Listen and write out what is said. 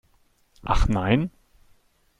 Ach nein?